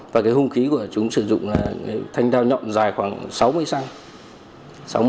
và hùng khí của chúng sử dụng là thanh dao nhọn dài khoảng sáu mươi cm